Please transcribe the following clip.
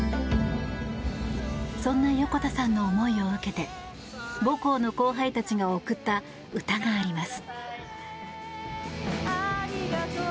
そんな横田さんの思いを受けて母校の後輩たちが贈った歌があります。